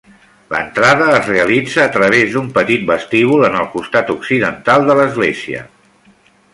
L'entrada es realitza a través d'un petit vestíbul en el costat occidental de l'església.